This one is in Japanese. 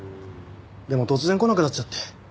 でも突然来なくなっちゃって。